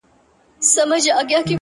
د تل لپاره ـ